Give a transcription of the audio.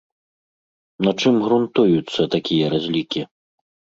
На чым грунтуюцца такія разлікі?